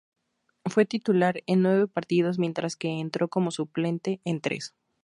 Fue titular en nueve partidos mientras que entró como suplente en tres.